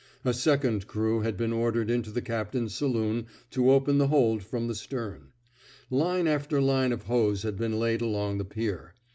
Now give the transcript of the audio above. A second crew had been ordered into the captain's saloon to open the hold from the stem. Line after line of hose had been laid along the pier.